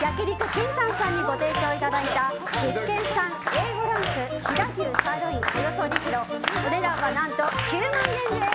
ＫＩＮＴＡＮさんにご提供いただいた岐阜県産Ａ５ランク飛騨牛サーロイン、およそ２ｋｇお値段、何と９万円です！